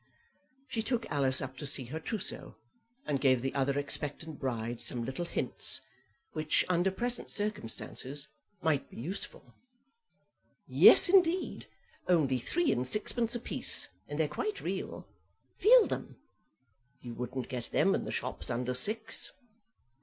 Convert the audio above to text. She took Alice up to see her trousseau, and gave the other expectant bride some little hints which, under present circumstances, might be useful. "Yes, indeed; only three and sixpence a piece, and they're quite real. Feel them. You wouldn't get them in the shops under six."